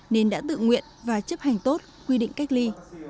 nên đã tự nguyện và chấp hành tốt quy định cách ly